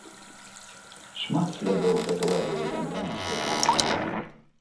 Шмат слядоў загладзіла зямля на сабе.